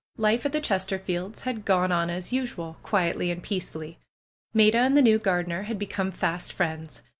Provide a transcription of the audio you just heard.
Life at the Chesterfields had gone as usual, quietly and peacefully. Maida and the new gardener had become fast friends.